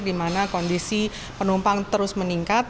dimana kondisi penumpang terus meningkat